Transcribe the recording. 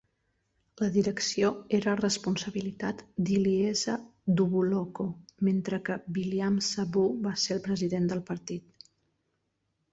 La direcció era responsabilitat d"Iliesa Duvuloco, mentre que Viliame Savu va ser el president del partit.